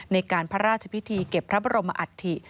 ในการพระราชพิธีเก็บพระบรมอัฐิ